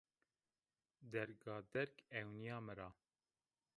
Dergaderg ewnîya mi ra